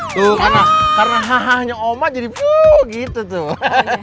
tuh karena hah hahnya omah jadi gitu tuh